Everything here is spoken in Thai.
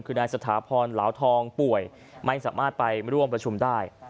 คือนายสถาพรเหลาทองป่วยไม่สามารถไปร่วมประชุมได้